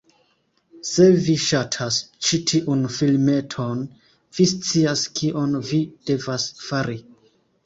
Se vi ŝatas ĉi tiun filmeton, vi scias kion vi devas fari: